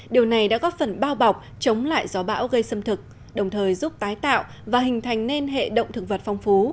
điều này đã góp phần bao bọc chống lại gió bão gây xâm thực đồng thời giúp tái tạo và hình thành nên hệ động thực vật phong phú